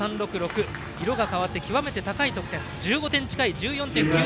色が変わって極めて高い得点１５点近い１４．９６６。